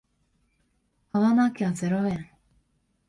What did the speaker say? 買わなきゃゼロ円